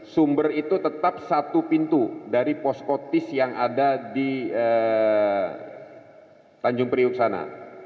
sumber itu tetap satu pintu dari poskotis yang ada di tanjung priuk sana